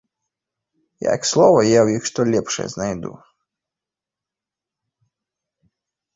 Як слова я ў іх што лепшае знайду?